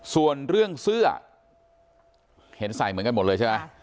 ส่วนเรื่องเสื้อเห็นใส่เหมือนกันหมดเลยใช่ไหม